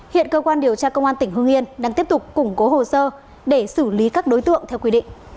hiện cơ quan điều tra công an tỉnh hương yên đang tiếp tục củng cố hồ sơ để xử lý các đối tượng theo quy định